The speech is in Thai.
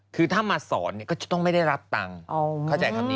คือถ้ามาสอนก็จะต้องไม่ได้รับตังค์